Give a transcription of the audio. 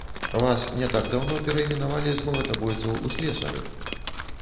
Вас не так даўно перайменавалі з малатабойцаў у слесары.